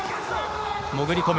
潜り込む。